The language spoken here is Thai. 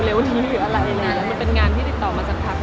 คืออะไรเลยวนะมันเป็นงานที่ติดต่อมาจันทรับ